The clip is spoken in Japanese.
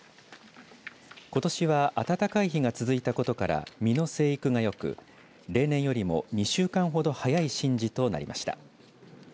ことしは暖かい日が続いたことから実の生育がよく例年よりも２週間ほど早い神事となりました。